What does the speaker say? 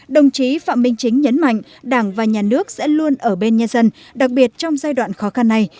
đồng chí phạm minh chính nhấn mạnh đảng và nhà nước sẽ luôn ở bên nhân dân đặc biệt trong giai đoạn khó khăn này